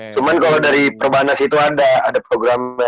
cuman kalau dari perbanas itu ada programnya